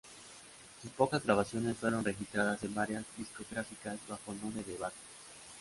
Sus pocas grabaciones fueron registradas en varias discográficas bajo el nombre de Bates.